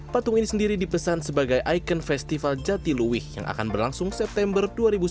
patung ini sendiri dipesan sebagai ikon festival jatiluwih yang akan berlangsung september dua ribu sembilan belas